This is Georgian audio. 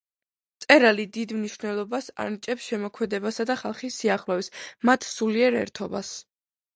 მწერალი დიდ მნიშვნელობას ანიჭებს შემოქმედებასა და ხალხის სიახლოვეს, მათს სულიერ ერთობას.